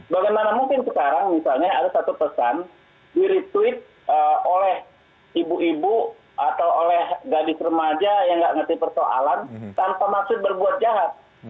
bagaimana mungkin sekarang misalnya ada satu pesan di retweet oleh ibu ibu atau oleh gadis remaja yang nggak ngerti persoalan tanpa maksud berbuat jahat